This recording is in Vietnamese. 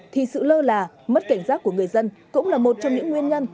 thì sự lơ là mất cảnh giác của người dân cũng là một trong những nguyên nhân